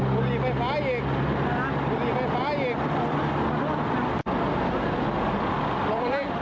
ลงมานี้